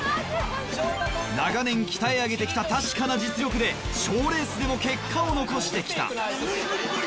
長年鍛え上げてきた確かな実力で賞レースでも結果を残してきた